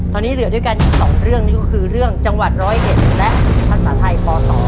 ตอนนี้เหลือด้วยกันอีก๒เรื่องนี่ก็คือเรื่องจังหวัด๑๐๑และภาษาไทยป๒